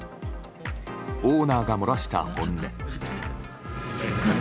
オーナーが漏らした本音。